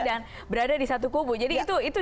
dan berada di satu kubu jadi itu